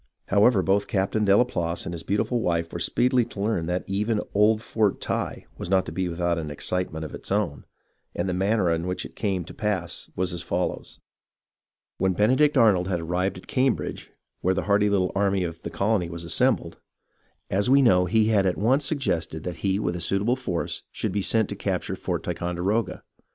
However, both Captain o THE FALL OF FORT TICONDEROGA 53 Delaplace and his beautiful wife were speedily to learn that even old Fort Ty was not to be without an excitement of its own, and the manner in which it came to pass was as follows :— When Benedict Arnold had arrived at Cambridge, where the hardy little army of the colony was assembled, as we know, he had at once suggested that he with a suitable force should be sent to capture Fort Ticonderoga.